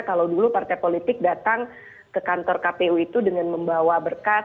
kalau dulu partai politik datang ke kantor kpu itu dengan membawa berkas